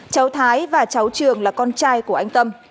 cháu thái và cháu trường là con trai của anh tâm